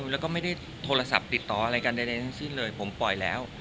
แล้วก็ไม่ได้โทรศัพท์ติดต่ออะไรกันใดทั้งสิ้นเลยผมปล่อยแล้ว